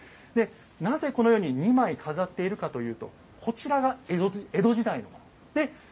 なぜこのように２枚飾っているかというと右が江戸時代。